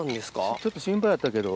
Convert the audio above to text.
ちょっと心配やったけど。